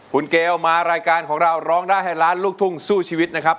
คุณเกลมารายการของเราร้องได้ให้ล้านลูกทุ่งสู้ชีวิตนะครับ